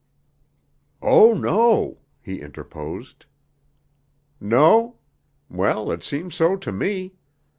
"Oh, no!" he interposed. "No? Well, it seems so to me.